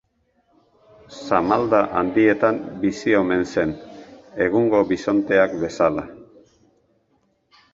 Samalda handietan bizi omen zen, egungo bisonteak bezala.